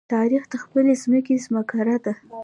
تاریخ د خپلې ځمکې زمکړه ده.